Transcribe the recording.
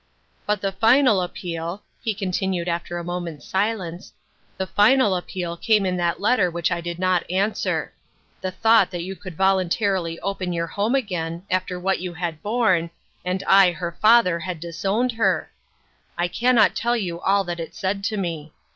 " But the final appeal," he continued after a moment's silence, "the final appeal came in that letter which I did not answer. The thought that you could voluntarily open your home again, after what you had borne, and I, her father, had dis owned her ! I cannot tell you all that it said to me.